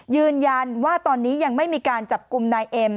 ยืนยันว่าตอนนี้ยังไม่มีการจับกลุ่มนายเอ็ม